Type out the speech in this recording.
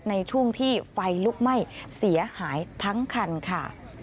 ในช่วงที่ไฟลุกไหม้เสียหายทั้งคันค่ะ